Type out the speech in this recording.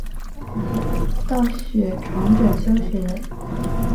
道雪重整休松的友军后往西南转进筑后山隈城撤退。